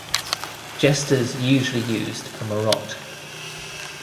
Jesters usually used a marotte.